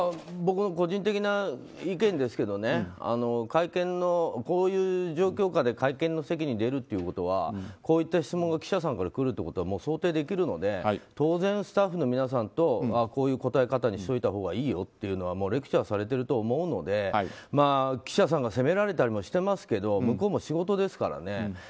僕は個人的な意見ですけどこういう状況下で会見の席に出るということはこういった質問が来ることは想定できるので当然、スタッフの皆さんとこういう答え方にしたほうがいいよというのはレクチャーされていると思うので記者さんが責められたりもしてますけど向こうも仕事ですからね。